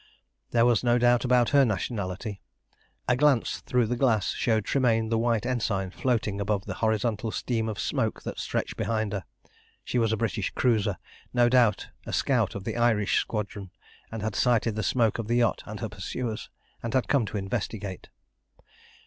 There was no doubt about her nationality. A glance through the glass showed Tremayne the white ensign floating above the horizontal stream of smoke that stretched behind her. She was a British cruiser, no doubt a scout of the Irish Squadron, and had sighted the smoke of the yacht and her pursuers, and had come to investigate.